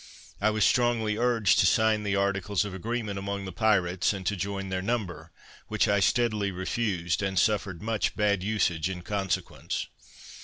I was strongly urged to sign the articles of agreement among the pirates, and to join their number, which I steadily refused, and suffered much bad usage in consequence.